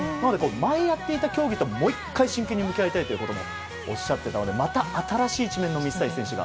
前にやっていた競技ともう１回、真剣に向き合いたいとおっしゃっていたのでまた新しい一面の水谷選手が。